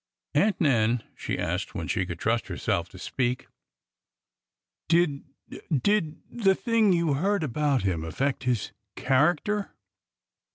'' Aunt Nan," she asked when she could trust herself to speak, " did— did the thing you heard about him affect his —character?